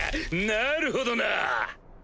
なるほどなぁ。